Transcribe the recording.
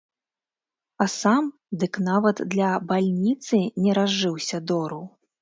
А сам дык нават для бальніцы не разжыўся дору!